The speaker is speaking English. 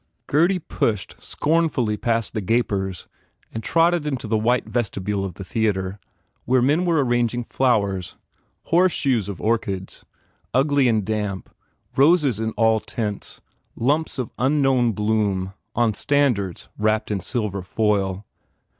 Gurdy pushed scornfully through the gapers 4 8 FULL BLOOM and trotted into the white vestibule of the theatre where men were arranging flowers horseshoes of orchids, ugly and damp, roses in all tints, lumps of unknown bloom on standards wrapped in silver foil.